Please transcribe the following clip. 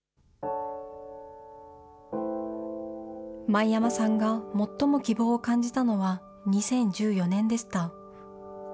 前山さんが最も希望を感じたのは、２０１４年でした。